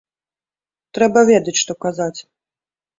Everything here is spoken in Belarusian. Трэба ведаць, што казаць.